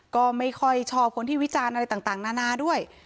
ก็ไม่ค่อยชอบคนที่วิจารณ์อะไรต่างนานาด้วย